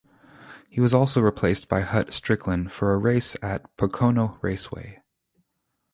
He was also replaced by Hut Stricklin for a race at Pocono Raceway.